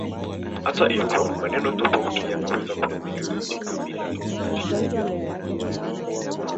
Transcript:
Hata hivyo, maneno tofauti yanaweza kutumika katika mila tofauti.